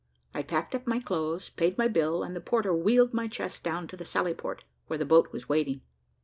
I packed up my clothes, paid my bill, and the porter wheeled my chest down to the Sally Port, where the boat was waiting.